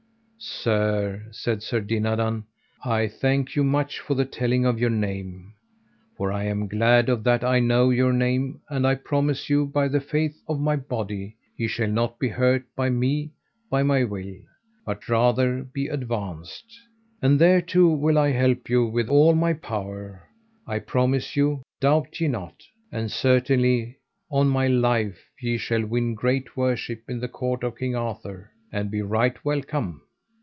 Sir, said Sir Dinadan, I thank you much for the telling of your name. For I am glad of that I know your name, and I promise you by the faith of my body, ye shall not be hurt by me by my will, but rather be advanced. And thereto will I help you with all my power, I promise you, doubt ye not. And certainly on my life ye shall win great worship in the court of King Arthur, and be right welcome.